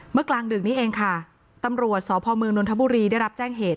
เมื่อกลางดึกนี้เองค่ะตำรวจศพมื้องนทบุรีรศาสตร์ได้รับแจ้งเหตุ